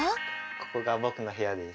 ここが僕の部屋です。